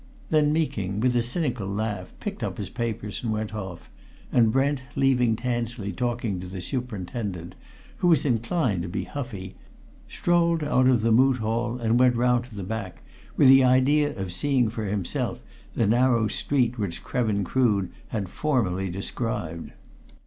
Then Meeking, with a cynical laugh, picked up his papers and went off, and Brent, leaving Tansley talking to the superintendent, who was inclined to be huffy, strolled out of the Moot Hall, and went round to the back, with the idea of seeing for himself the narrow street which Krevin Crood had formally described.